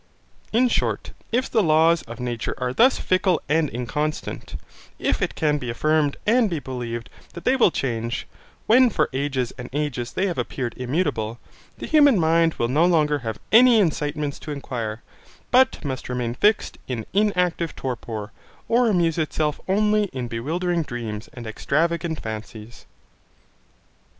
In short, if the laws of nature are thus fickle and inconstant, if it can be affirmed and be believed that they will change, when for ages and ages they have appeared immutable, the human mind will no longer have any incitements to inquiry, but must remain fixed in inactive torpor, or amuse itself only in bewildering dreams and extravagant fancies.